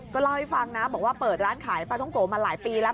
ก็เล่าให้ฟังนะบอกว่าเปิดร้านขายปลาท้องโกะมาหลายปีแล้ว